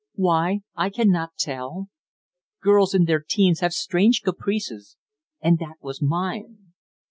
Why, I cannot tell. Girls in their teens have strange caprices, and that was mine.